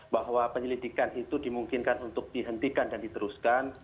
bahwa penyelidikan itu dimungkinkan untuk dihentikan dan diteruskan